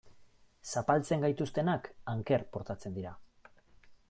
Zapaltzen gaituztenak anker portatzen dira.